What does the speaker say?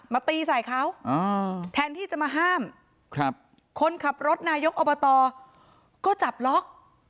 ตีใส่เขาแทนที่จะมาห้ามคนขับรถนายกอบตก็จับล็อก